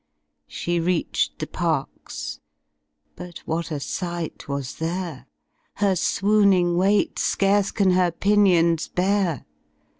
She reached the Parks; but tvhat a sight was there! Her swooning weight scarce can her pinions bear.